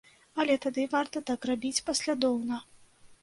Але тады варта так рабіць паслядоўна.